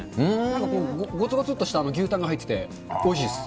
なんかごつごつっとした牛タンが入ってて、おいしいっす。